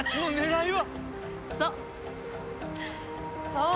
そう。